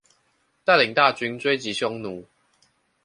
帶領大軍追擊匈奴